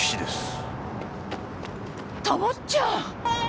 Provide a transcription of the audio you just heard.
たもっちゃん。